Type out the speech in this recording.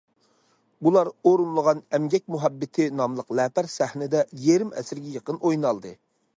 بۇلار ئورۇنلىغان‹‹ ئەمگەك مۇھەببىتى›› ناملىق لەپەر سەھنىدە يېرىم ئەسىرگە يېقىن ئوينالدى.